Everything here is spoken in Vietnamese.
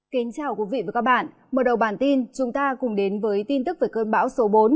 kính chào quý vị và các bạn mở đầu bản tin chúng ta cùng đến với tin tức về cơn bão số bốn